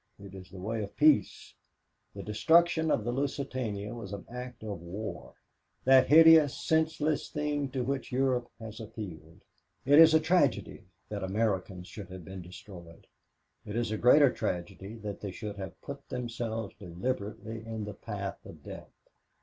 It is the way of peace. The destruction of the Lusitania was an act of war that hideous, senseless thing to which Europe has appealed. It is a tragedy that Americans should have been destroyed. It is a greater tragedy that they should have put themselves deliberately in the path of death.